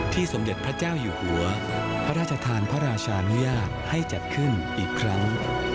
สมเด็จพระเจ้าอยู่หัวพระราชทานพระราชานุญาตให้จัดขึ้นอีกครั้ง